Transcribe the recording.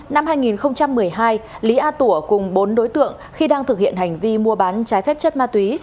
năm hai nghìn một mươi hai lý a tủa cùng bốn đối tượng khi đang thực hiện hành vi mua bán trái phép chất ma túy